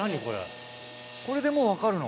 これでもう分かるの？